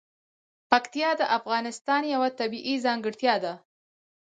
پکتیا د افغانستان یوه طبیعي ځانګړتیا ده.